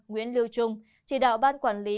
nguyễn lưu trung chỉ đạo ban quản lý